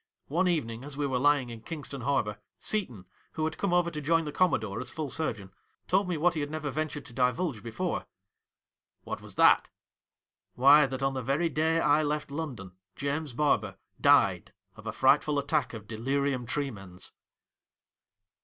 One evening as we were lying in Kingston harbour, Seton, who had come over to join the Commodore as full surgeon, told me what he had never ventured to divulge before.' ' What was that 1 '' Why, that, on the very day I left London, James Barber died of a frightful attack of delirium tremens